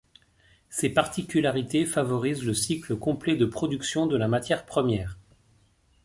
Ces particularités favorisent le cycle complet de production de la matière première.